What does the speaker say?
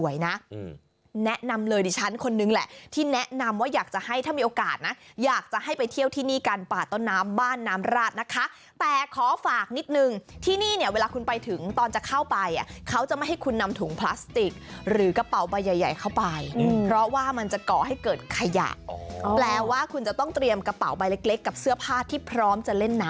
แนะนำเลยดิฉันคนนึงแหละที่แนะนำว่าอยากจะให้ถ้ามีโอกาสนะอยากจะให้ไปเที่ยวที่นี่กันป่าต้นน้ำบ้านน้ำราดนะคะแต่ขอฝากนิดนึงที่นี่เนี่ยเวลาคุณไปถึงตอนจะเข้าไปเขาจะไม่ให้คุณนำถุงพลาสติกหรือกระเป๋าใบใหญ่ใหญ่เข้าไปเพราะว่ามันจะก่อให้เกิดขยะแปลว่าคุณจะต้องเตรียมกระเป๋าใบเล็กเล็กกับเสื้อผ้าที่พร้อมจะเล่นน้ำ